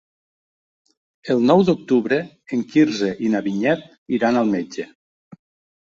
El nou d'octubre en Quirze i na Vinyet iran al metge.